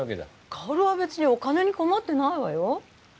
かおるは別にお金に困ってないわよ。